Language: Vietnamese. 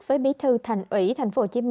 với bí thư thành ủy tp hcm